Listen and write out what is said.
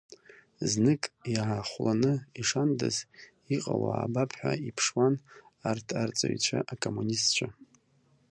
Знык иаахәланы, ишандаз, иҟало аабап ҳәа иԥшуан арҭ арҵаҩцәа, акоммунистцәа.